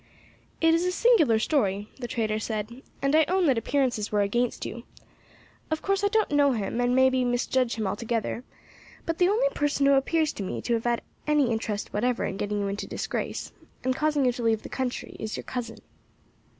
"It is a singular story," the trader said, "and I own that appearances were against you. Of course I don't know him, and may be misjudge him altogether, but the only person who appears to me to have had any interest whatever in getting you into disgrace, and causing you to leave the country, is your cousin."